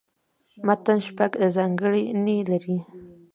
متن شپږ ځانګړني لري.